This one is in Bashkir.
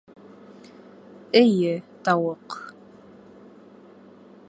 Эйе, тауыҡ.